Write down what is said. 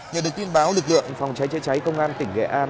nhờ được tin báo lực lượng phòng cháy chữa cháy công an tỉnh nghệ an